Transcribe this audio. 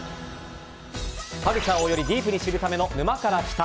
カルチャーをよりディープに知るための「沼から来た。」。